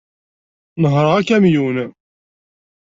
Nehhreɣ akamyun.